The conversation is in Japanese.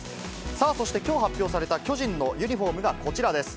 さあそして、きょう発表された巨人のユニホームがこちらです。